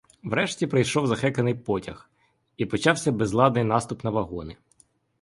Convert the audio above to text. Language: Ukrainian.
Врешті прийшов захеканий потяг, і почався безлад ний наступ на вагони.